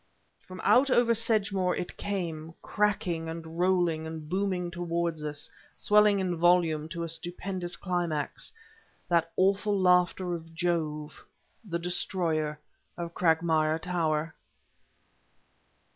From out over Sedgemoor it came, cracking and rolling and booming toward us, swelling in volume to a stupendous climax, that awful laughter of Jove the destroyer of Cragmire Tower.